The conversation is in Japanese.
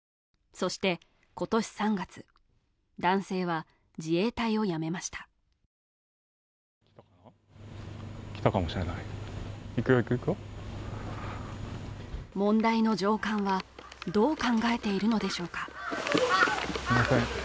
そして今年３月男性は自衛隊を辞めました問題の上官はどう考えているのでしょうか